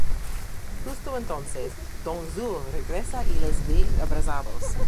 Justo entonces, Dong Zhuo regresa y les ve abrazados.